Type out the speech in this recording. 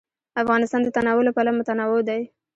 افغانستان د تنوع له پلوه متنوع دی.